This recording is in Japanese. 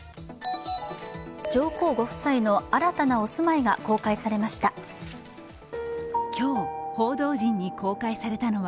上皇ご夫妻の新たなお住まいが公開されました。